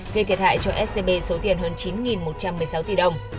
gây thiệt hại cho scb số tiền hơn chín một trăm một mươi sáu tỷ đồng